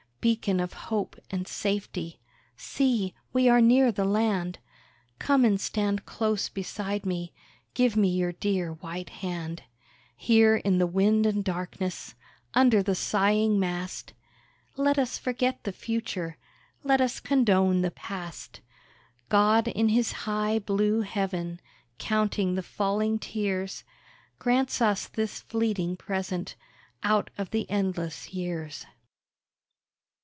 Beacon of hope and safety! See, we are near the land, Come and stand close beside me, Give me your dear, white hand. Here in the wind and darkness, Under the sighing mast, Let us forget the future Let us condone the past. God in His high, blue Heaven, Counting the falling tears, Grants us this fleeting present, Out of the endless years.